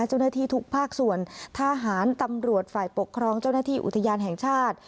เจ้าหน้าที่ทุกภาคส่วนทหารตำรวจฝ่ายปกครองเจ้าหน้าที่อุทยานแห่งชาติ